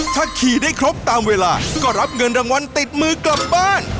ถ้าขี่ได้ครบตามเวลาก็รับเงินรางวัลติดมือกลับบ้าน